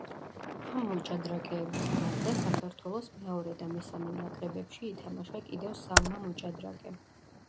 ამ მოჭადრაკეების გარდა საქართველოს მეორე და მესამე ნაკრებებში ითამაშა კიდევ სამმა მოჭადრაკემ.